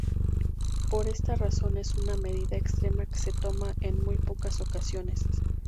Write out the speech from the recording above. Por esta razón es una medida extrema que se toma en muy pocas ocasiones.